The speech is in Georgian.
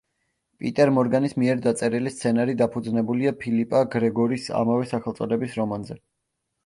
პიტერ მორგანის მიერ დაწერილი სცენარი დაფუძნებულია ფილიპა გრეგორის ამავე სახელწოდების რომანზე.